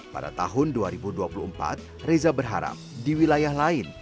pada tahun dua ribu dua puluh empat reza berharap di wilayah lain